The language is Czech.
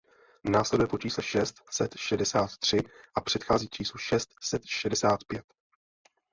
Následuje po čísle šest set šedesát tři a předchází číslu šest set šedesát pět.